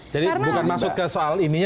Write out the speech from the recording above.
jadi bukan masuk ke soal ininya